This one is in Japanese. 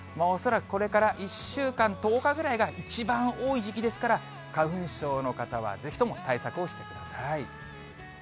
恐らくこれから１週間、１０日ぐらいが一番多い時期ですから、花粉症の方はぜひとも対策をしてください。